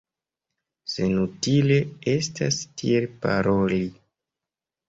Senutile estas tiel paroli.